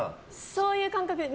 そういう感覚で。